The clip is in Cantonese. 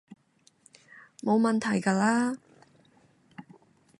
冇問題㗎喇